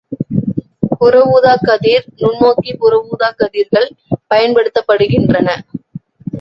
புறஊதாக் கதிர் நுண்ணோக்கி புற ஊதாக் கதிர்கள் பயன்படுத்தப்படுகின்றன.